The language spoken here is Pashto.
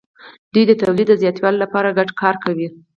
دوی د تولید د زیاتوالي لپاره ګډ کار کوي.